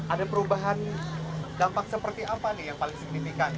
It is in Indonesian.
ada perubahan dampak seperti apa nih yang paling signifikan